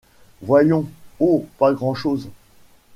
Voyons... oh, pas grand-chose...